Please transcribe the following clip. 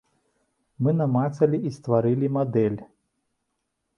Мы намацалі і стварылі мадэль.